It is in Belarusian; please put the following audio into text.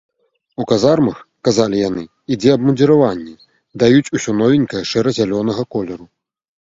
У казармах, казалі яны, ідзе абмундзіраванне, даюць усё новенькае шэра-зялёнага колеру.